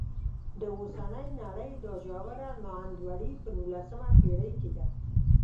د اوسنۍ نړۍ دا ژوره نا انډولي په نولسمه پېړۍ کې ده.